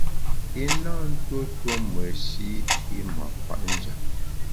I na ntuo tuo meshi’ i mâ kwet njap.